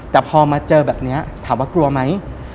แต่พอมาเจอแบบนี้ถามว่ากลัวไหม